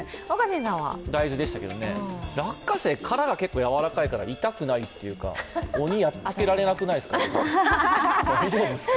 大豆でしたけど、落花生、皮が柔らかいから痛くないというか鬼、やっつけられなくないですか、大丈夫ですか。